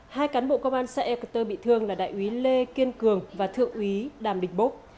hai cán bộ công an xã ea cơ tư bị thương là đại úy lê kiên cường và thượng úy đàm địch bốc